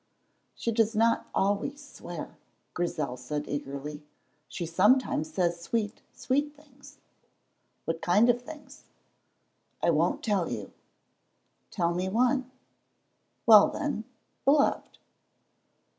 "She does not always swear," Grizel said eagerly. "She sometimes says sweet, sweet things." "What kind of things?" "I won't tell you." "Tell me one." "Well, then, 'Beloved.'"